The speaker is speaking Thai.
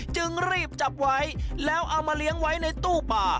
จึงรีบจับไว้แล้วเอามาเลี้ยงไว้ในตู้ป่า